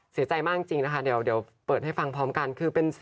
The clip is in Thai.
เศร้าใจมากจริงเดี๋ยวเปิดให้ฟังพร้อมกัน